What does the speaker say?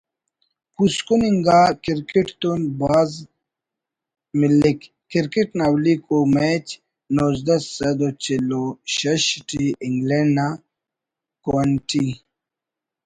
پوسکن انگا کرکٹ تون بھاز ملک کرکٹ نا اولیکو میچ نوزدہ سد و چل و شش ٹی انگلینڈ نا کوئنٹی